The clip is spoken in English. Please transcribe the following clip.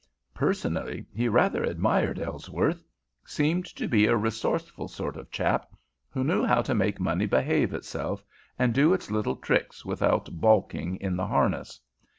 Personally, he rather admired Ellsworth. Seemed to be a resourceful sort of chap who knew how to make money behave itself, and do its little tricks without balking in the harness.